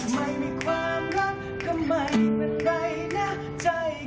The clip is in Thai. ไม่มีความรักก็ไม่มีเมื่อใครนะ